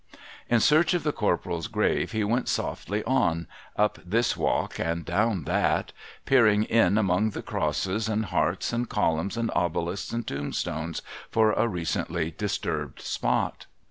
In search of the Corporal's grave he went softly on, up this walk THE CORPORAL'S GRAVE 303 and down that, peering in, among the crosses and hearts and columns and obelisks and tombstones, for a recently disturbed spot.